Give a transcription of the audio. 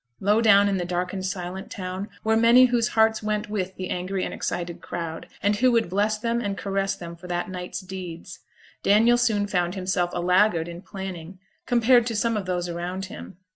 Low down in the darkened silent town were many whose hearts went with the angry and excited crowd, and who would bless them and caress them for that night's deeds. Daniel soon found himself a laggard in planning, compared to some of those around him.